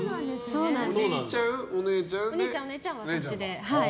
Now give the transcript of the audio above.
お兄ちゃん、お姉ちゃん、私で。